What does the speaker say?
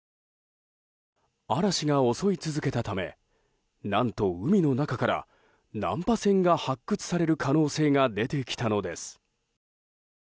嵐が襲い続けたため何と海の中から難破船が発掘される可能性が出てきたのです。